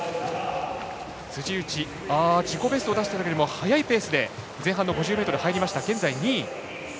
辻内、自己ベストを出したときよりも速いペースで前半の５０ｍ入って、現在２位。